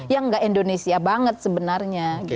yang nggak indonesia banget sebenarnya